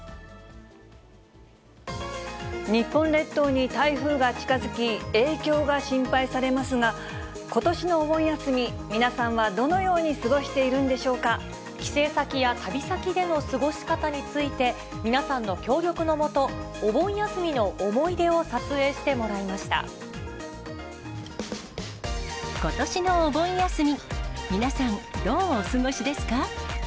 日本列島に台風が近づき、影響が心配されますが、ことしのお盆休み、皆さんはどのように過帰省先や旅先での過ごし方について、皆さんの協力のもと、お盆休みの思い出を撮影してもらことしのお盆休み、皆さん、どうお過ごしですか？